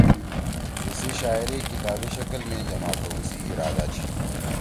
تیِسی شاعری کتابی شکل می جمع کؤ سی ارادا چھی۔